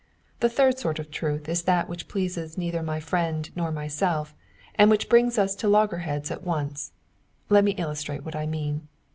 The third sort of truth is that which pleases neither my friend nor myself, and which brings us to loggerheads at once. Let me illustrate what I mean.